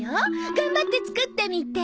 頑張って作ってみて。